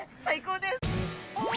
最高です。